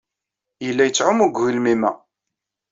Yella yettɛumu deg ugelmim-a.